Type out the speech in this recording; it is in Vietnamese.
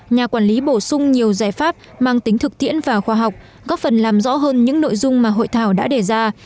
nhà quản lý bổ sung nhiều giải pháp mang tính thực tiễn và khoa học góp phần làm rõ hơn những nội dung mà hội thảo đã đề ra